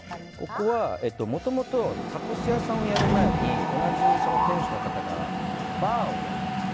ここは、もともとタコス屋さんをやる前に同じ店主の方がバーをやっていて。